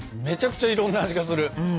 めちゃくちゃいろんな味がする。